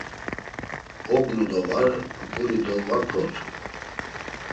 Ognu do var, guri dolvaǩrotu.